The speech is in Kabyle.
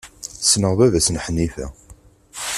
Ssneɣ baba-s n Ḥnifa.